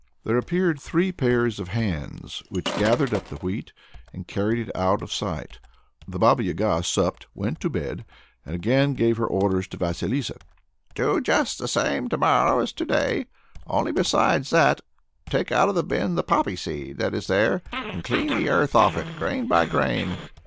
There appeared three pairs of hands, which gathered up the wheat, and carried it out of sight. The Baba Yaga supped, went to bed, and again gave her orders to Vasilissa: "Do just the same to morrow as to day; only besides that take out of the bin the poppy seed that is there, and clean the earth off it grain by grain.